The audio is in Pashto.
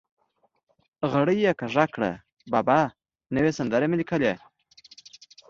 غړۍ یې کږه کړه: بابا یو نوی غزل مې لیکلی.